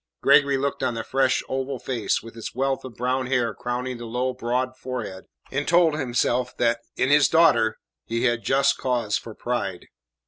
Gregory looked on the fresh, oval face, with its wealth of brown hair crowning the low, broad forehead, and told himself that in his daughter he had just cause for pride.